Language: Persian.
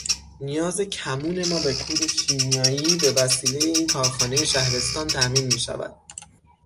نیاز کمون ما به کود شیمیائی بوسیلهٔ این کارخانهٔ شهرستان تأمین میشود.